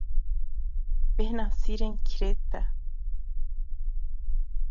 Bêhna sîrên kirêt e.